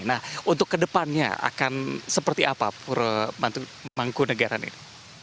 nah untuk ke depannya akan seperti apa purwomangkunegaraan ini